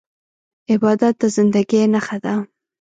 عبادت د بندګۍ نښه ده.